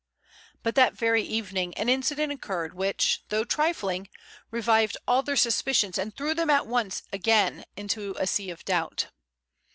But that very evening an incident occurred which, though trifling, revived all their suspicions and threw them at once again into a sea of doubt.